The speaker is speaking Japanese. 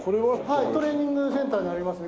はいトレーニングセンターになります。